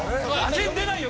健出ないよ